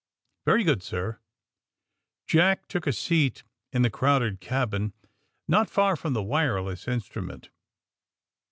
'' Very good, sir." Jack took a seat in the crowded cabin, not far from the wireless instrument.